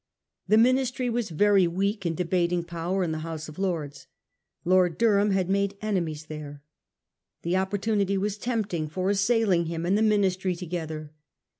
The Ministry was very weak in debating power in the House of Lords. Lord Durham had made enemies there. The opportunity was tempting for assailing him and the Ministry together.